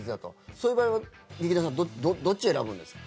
そういう場合は、劇団さんどっちを選ぶんですか？